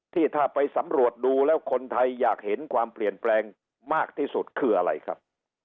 ที่ถ้าไปสำรวจดูแล้วคนไทยอยากเห็นความเปลี่ยนแปลงมากที่สุดคืออะไรครับ